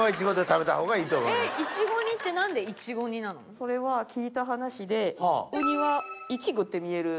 それは聞いた話でウニはイチゴって見える。